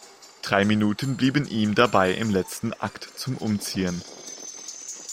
Drei Minuten blieben ihm dabei im letzten Akt zum Umziehen.